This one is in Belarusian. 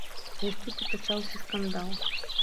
Вось тут і пачаўся скандал.